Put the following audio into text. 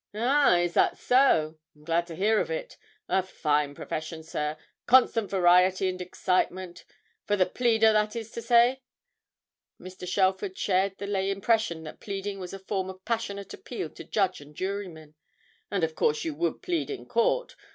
'Ah, is that so? I'm glad to hear of it; a fine profession, sir; constant variety and excitement for the pleader, that is to say' (Mr. Shelford shared the lay impression that pleading was a form of passionate appeal to judge and jurymen), 'and of course you would plead in court.